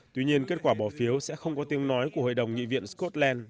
tuy nhiên kết quả bỏ phiếu sẽ không có tiếng nói của hội đồng nghị viện scotland